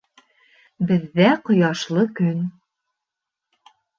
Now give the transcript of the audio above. Беҙҙә ҡояшлы көн